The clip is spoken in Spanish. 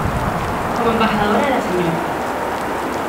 Como Embajadora, la Sra.